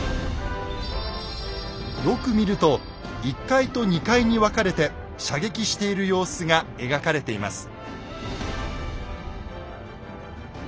よく見ると１階と２階に分かれて射撃している様子が描かれています。